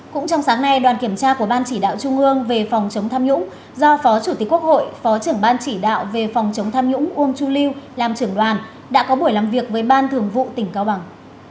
cũng trong sáng nay đoàn kiểm tra của ban chỉ đạo trung ương về phòng chống tham nhũng do phó chủ tịch quốc hội phó trưởng ban chỉ đạo về phòng chống tham nhũng uông chu lưu làm trưởng đoàn đã có buổi làm việc với ban thường vụ tỉnh cao bằng